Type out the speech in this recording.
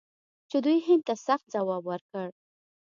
چې دوی هند ته سخت ځواب ورکړ.